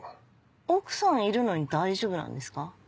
奥さんいるのに大丈夫なんですか？